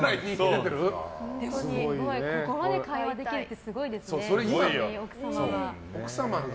ここまで会話できるってすごいですね、奥様は。